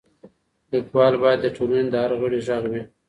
ليکوال بايد د ټولني د هر غړي غږ وي.